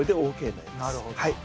なるほど。